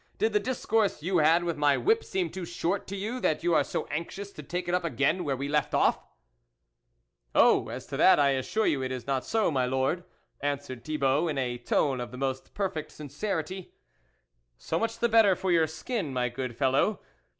did the discourse you had with my whip seem too short to you, that you are so anxious to take it up again where we left off ?"" Oh, as to that, I assure you it is not so, my Lord" answered Thibault in a tone of the most perfect sincerity. " So much the better for your skin, my good fellow.